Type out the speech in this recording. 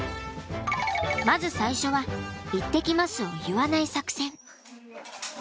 まず最初は「行ってきます」を言わない作戦。